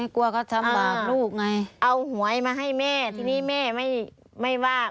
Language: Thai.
กลัวเขาทำบาปลูกไงเอาหวยมาให้แม่ทีนี้แม่ไม่ว่า